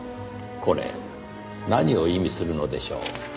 これ何を意味するのでしょう？